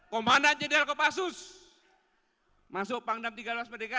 komandan jenderal kopassus masuk pangdam tiga belas merdeka